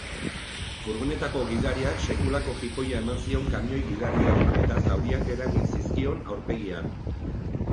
Furgonetako gidariak sekulako jipoia eman zion kamioi gidariari eta zauriak eragin zizkion aurpegian.